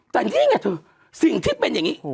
แต่จริงสิ่งที่เป็นอย่างนี้